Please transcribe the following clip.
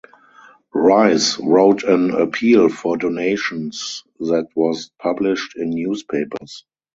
Rice wrote an appeal for donations that was published in newspapers.